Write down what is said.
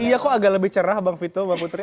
iya kok agak lebih cerah bang vito mbak putri